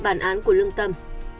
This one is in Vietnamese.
bản án của lương tâm